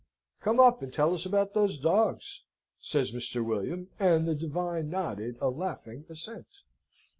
"Come up, and tell us about those dogs," says Mr. William, and the divine nodded a laughing assent.